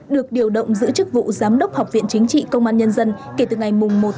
được điều động giữ chức vụ giám đốc học viện chính trị công an nhân dân kể từ ngày một sáu hai nghìn hai mươi hai